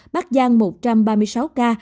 bắc giang một trăm ba mươi sáu ca